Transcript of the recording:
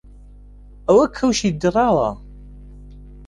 ئەوە کەوشی دڕاوە